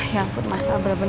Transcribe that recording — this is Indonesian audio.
ya ampun mas